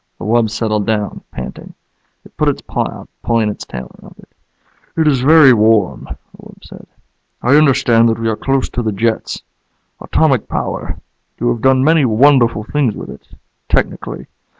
The wub settled down, panting. It put its paw out, pulling its tail around it. "It is very warm," the wub said. "I understand that we are close to the jets. Atomic power. You have done many wonderful things with it technically.